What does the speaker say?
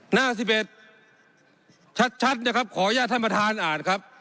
หน้า๑๑ชัดนะครับขออนุญาตท่านประธานอ่านครับ